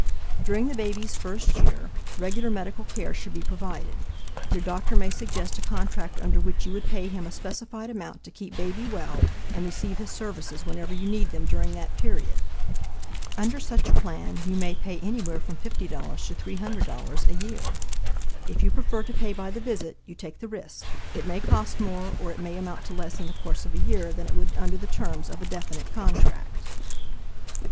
During the baby's first year, regular medical care should be provided. Your doctor may suggest a contract under which you would pay him a specified amount to keep baby well and receive his services whenever you need them during that period. Under such a plan you may pay anywhere from $50 to $300 a year. If you prefer to pay by the visit, you take the risk; it may cost more, or it may amount to less in the course of a year than it would under the terms of a definite contract.